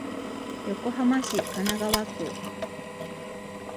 横浜市神奈川区